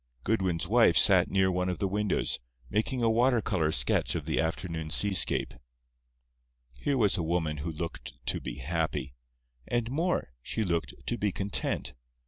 Goodwin's wife sat near one of the windows, making a water color sketch of the afternoon seascape. Here was a woman who looked to be happy. And more—she looked to be content.